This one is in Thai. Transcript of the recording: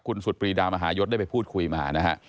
คุณสุดปรีดามหายศได้ไปพูดคุยมานะฮะ